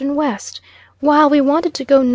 and W., while we wanted to go N.